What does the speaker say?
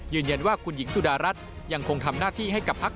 ยืนยันว่าคุณหญิงสุดารัฐยังคงทำหน้าที่ให้กับพัก